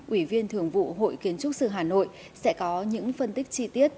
ủy viên thường vụ hội kiến trúc sư hà nội sẽ có những phân tích chi tiết